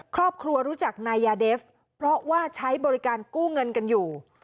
ครอบครัวรู้จักนายยาเดฟเพราะว่าใช้บริการกู้เงินกันอยู่